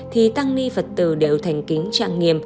thì tăng ni phật tử đều thành kính trang nghiêm